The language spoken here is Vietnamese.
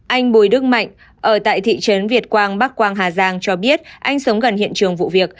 anh bùi đức mạnh ở tại thị trấn việt quang bắc quang hà giang cho biết anh sống gần hiện trường vụ việc